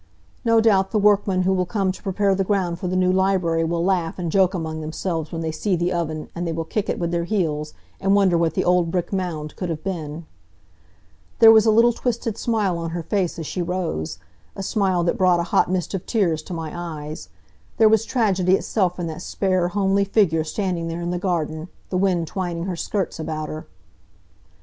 "No doubt the workmen who will come to prepare the ground for the new library will laugh and joke among themselves when they see the oven, and they will kick it with their heels, and wonder what the old brick mound could have been." There was a little twisted smile on her face as she rose a smile that brought a hot mist of tears to my eyes. There was tragedy itself in that spare, homely figure standing there in the garden, the wind twining her skirts about her.